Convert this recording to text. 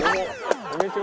こんにちは。